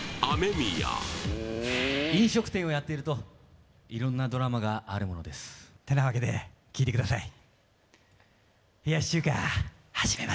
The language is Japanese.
飲食店をやっていると色んなドラマがあるものですてなわけで聞いてください